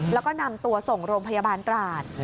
แล้วก็นำตัวส่งโรงพยาบาลตราด